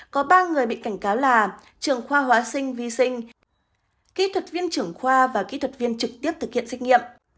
có ba người bị cảnh cáo là trường khoa hóa sinh vi sinh kỹ thuật viên trưởng khoa và kỹ thuật viên trực tiếp thực hiện xét nghiệm